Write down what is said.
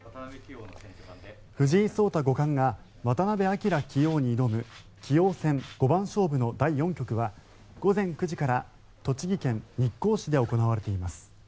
藤井聡太五冠が渡辺明棋王に挑む棋王戦五番勝負の第４局は午前９時から栃木県日光市で行われています。